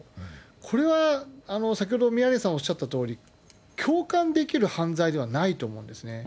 これは先ほど宮根さんおっしゃったとおり、共感できる犯罪ではないと思うんですね。